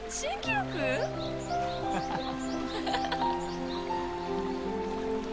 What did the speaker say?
ハハハ！